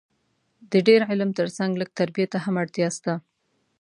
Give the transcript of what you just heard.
د ډېر علم تر څنګ لږ تربیې ته هم اړتیا سته